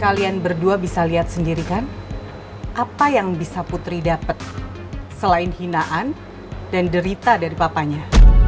kalian berdua bisa lihat sendiri kan apa yang bisa putri dapat selain hinaan dan derita dari papanya